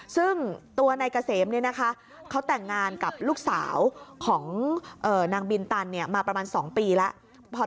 ซึ่งตัวนายเกษมเนี่ยนะคะเขาแต่งงานกับลูกสาวของนางบินตันเนี่ยมาประมาณสองปีแล้ว